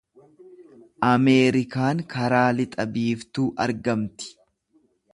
Ameerikaan karaa lixa biiftuu argamti.